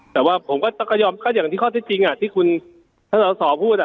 แต่ว่าผมก็ต้องก็ยอมก็อย่างที่ข้อที่จริงอ่ะที่คุณท่านสอบพูดอ่ะ